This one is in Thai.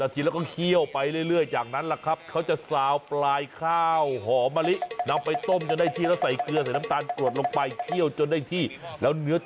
แต่รสชาติมันไม่เหมือนเดิม